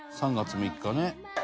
「３月３日ね」